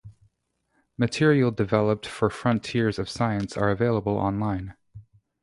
Material developed for Frontiers of Science are available online.